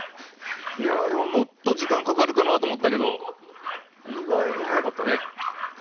でも、もっと時間かかるかなと思ったけど意外に早かったね。